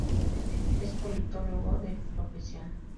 Es politólogo de profesión.